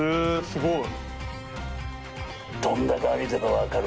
すごい！